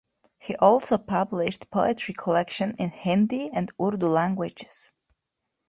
He also published poetry collections in Hindi and Urdu languages.